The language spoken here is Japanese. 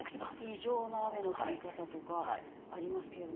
異常な雨の降り方とかありますけれども。